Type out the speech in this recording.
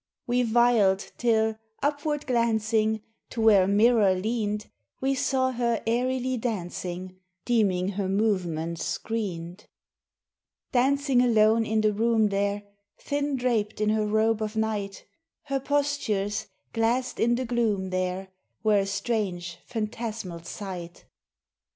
We violed till, upward glancing To where a mirror leaned, We saw her airily dancing, Deeming her movements screened; Dancing alone in the room there, Thin draped in her robe of night; Her postures, glassed in the gloom there, Were a strange phantasmal sight.